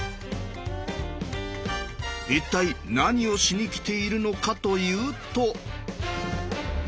一体何をしに来ているのかというと。